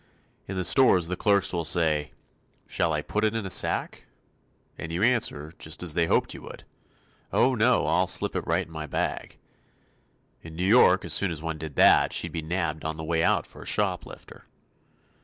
In the stores the clerks will say: "Shall I put it in a sack?" and you answer just as they hoped you would: "Oh, no, I'll slip it right in my bag." In New York as soon as one did that she'd be nabbed on the way out for a shoplifter.